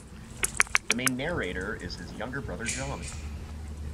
The main narrator is his younger brother John.